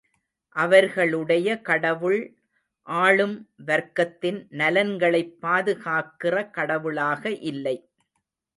அவர்களுடைய கடவுள் ஆளும் வர்க்கத்தின் நலன்களைப் பாதுகாக்கிற கடவுளாக இல்லை.